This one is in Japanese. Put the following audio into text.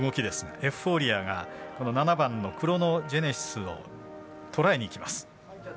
エフフォーリアが７番クロノジェネシスをとらえにいきます。